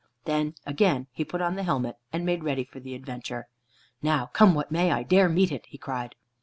Then again he put on the helmet, and made ready for the adventure. "Now come what may, I dare meet it," he cried.